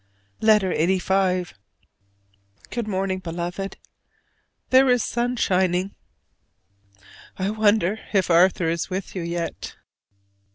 LETTER LXXXV. Good morning, Beloved; there is sun shining. I wonder if Arthur is with you yet?